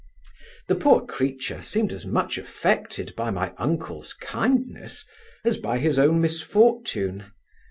The poor creature seemed as much affected by my uncle's kindness, as by his own misfortune.